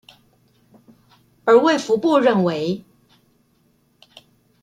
而衛福部認為